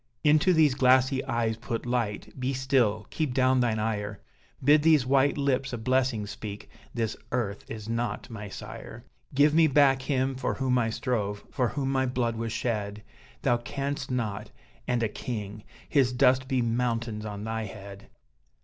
"Into these glassy eyes put light be still! keep down thine ire, Bid these white lips a blessing speak this earth is not my sire! Give me back him for whom I strove, for whom my blood was shed, Thou canst not and a king! His dust be mountains on thy head!"